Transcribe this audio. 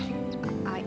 mas aku mau pulang